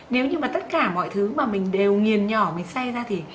nếu như mà tất cả mọi thứ mà mình đều nghiền nhỏ mình say ra thì